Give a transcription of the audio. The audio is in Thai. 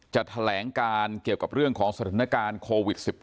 แถลงการเกี่ยวกับเรื่องของสถานการณ์โควิด๑๙